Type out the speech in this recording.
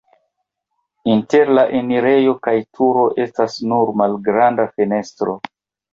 Inter la enirejo kaj turo estas nur malgranda fenestro.